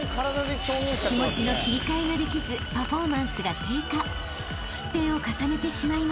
［気持ちの切り替えができずパフォーマンスが低下］